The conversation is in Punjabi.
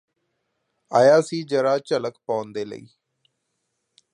ਆਇਆ ਸੀ ਜ਼ਰਾ ਝਲਕ ਪਾਉਣ ਦੇ ਲਈ